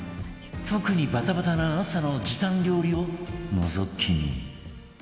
特にバタバタな朝の時短料理をのぞき見